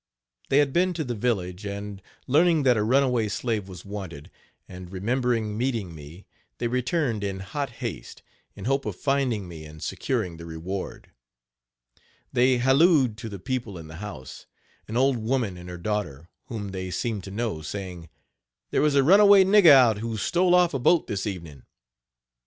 They had been to the village, and, learning that a runaway slave was wanted, and remembering meeting me, they returned in hot haste, in hope of finding me and securing the reward. They hallooed to the people in the house, an old woman and her daughter, whom they seemed to know, saying: "There is a runaway nigger out, who stole off a boat this evening.